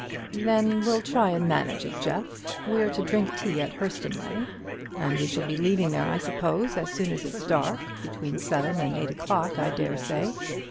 "Then we'll try and manage it, Jeff. We're to drink tea at Hurstonleigh; and we shall be leaving there, I suppose, as soon as it's dark between seven and eight o'clock, I dare say.